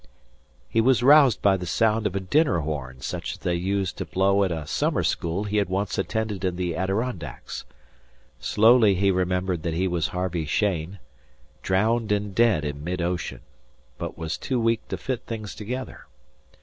He was roused by the sound of a dinner horn such as they used to blow at a summer school he had once attended in the Adirondacks. Slowly he remembered that he was Harvey Cheyne, drowned and dead in mid ocean, but was too weak to fit things together.